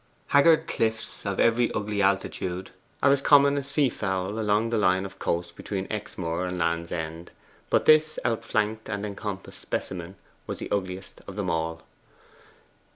Haggard cliffs, of every ugly altitude, are as common as sea fowl along the line of coast between Exmoor and Land's End; but this outflanked and encompassed specimen was the ugliest of them all.